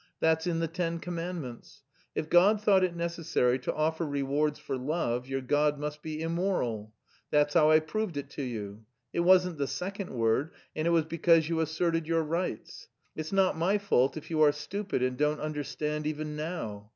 That's in the Ten Commandments. If God thought it necessary to offer rewards for love, your God must be immoral. That's how I proved it to you. It wasn't the second word, and it was because you asserted your rights. It's not my fault if you are stupid and don't understand even now.